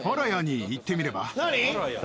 何！？